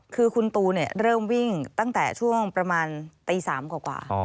คือคุณตูเริ่มวิ่งตั้งแต่ช่วงประมาณตี๓กว่า